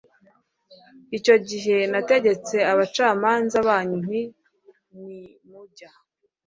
Icyo gihe nategetse abacamanza banyu nti nimujya